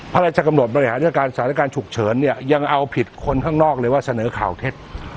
พระราชกำหนดบริหารจัดการสถานการณ์ฉุกเฉินเนี่ยยังเอาผิดคนข้างนอกเลยว่าเสนอข่าวเท็จ